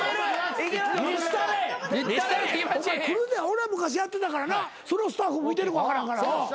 俺は昔やってたからなそのスタッフ見てるか分からんから。